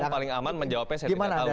yang paling aman menjawabnya saya tidak tahu